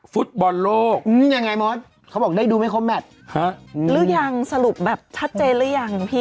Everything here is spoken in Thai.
ฟุตบอลโลกยังไงมอสเขาบอกได้ดูไม่ครบแมทฮะหรือยังสรุปแบบชัดเจนหรือยังพี่